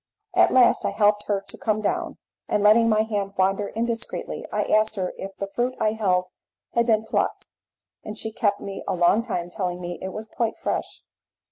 At last I helped her to come down, and letting my hand wander indiscreetly, I asked her if the fruit I held had been plucked, and she kept me a long time telling me it was quite fresh.